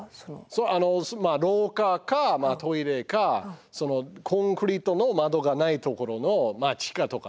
あの廊下かトイレかコンクリートの窓がない所のまあ地下とかね。